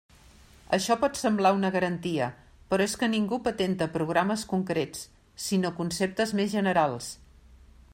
Això pot semblar una garantia, però és que ningú patenta programes concrets, sinó conceptes més generals.